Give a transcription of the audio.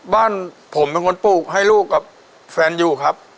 บ้านผมเป็นคนปลูกให้ลูกกับแฟนอยู่ครับ